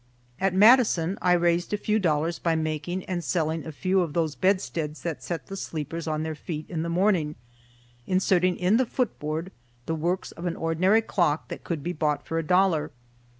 At Madison I raised a few dollars by making and selling a few of those bedsteads that set the sleepers on their feet in the morning,—inserting in the footboard the works of an ordinary clock that could be bought for a dollar.